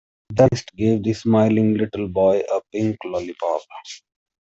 The receptionist gave the smiling little boy a pink lollipop.